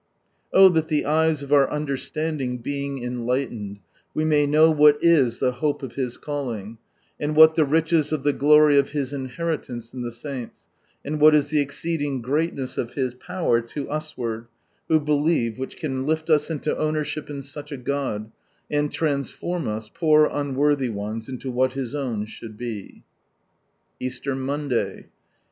Oh that the eyes of our understanding being enlightened, we may know what is the hope of His calling, and what the riches of the glory of His inheritance in the saints, and what is the exceeding greatness of His power to us ward who believe which can lift us into ownership in such a God ; and transform us, poor unwonhy ones, into what His own should be ! Eaitcr Monday.